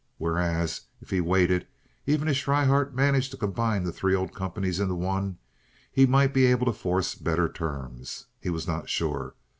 Whereas if he waited—even if Schryhart managed to combine the three old companies into one—he might be able to force better terms. He was not sure.